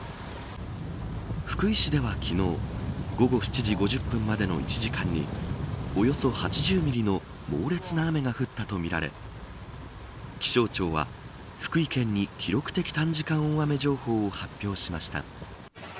福井市では昨日午後７時５０分までの１時間におよそ８０ミリの猛烈な雨が降ったとみられ気象庁は福井県に記録的短時間大雨情報を発表しました。